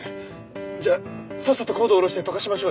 じゃあさっさと高度を降ろして溶かしましょうよ。